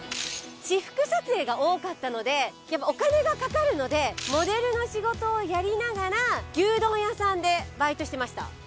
私服撮影が多かったのでやっぱお金が掛かるのでモデルの仕事をやりながら牛丼屋さんでバイトしてました。